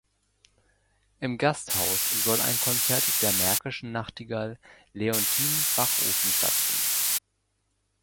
Im Gasthaus soll ein Konzert der „Märkischen Nachtigal“ Leontine Bachofen stattfinden.